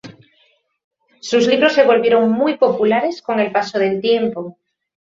Sus libros se volvieron muy populares con el paso del tiempo.